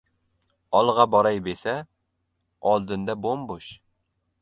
Olg‘a boray besa, oldin-da bo‘m-bo‘sh!